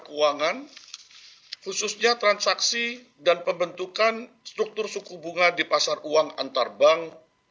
keuangan khususnya transaksi dan pembentukan struktur suku bunga di pasar uang antar bank